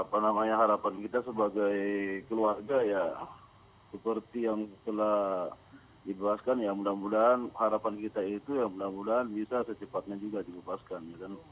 jadi harapan kita sebagai keluarga ya seperti yang telah dibebaskan ya mudah mudahan harapan kita itu bisa secepatnya juga dibebaskan